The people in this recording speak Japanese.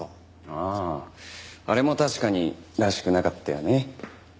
あああれも確かにらしくなかったよね。